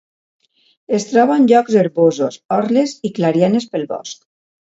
Es troba en llocs herbosos, orles i clarianes del bosc.